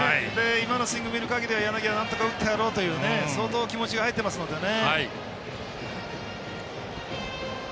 今のスイングを見るかぎりでは柳はなんとか打ってやろうという相当気持ちが入ってますね。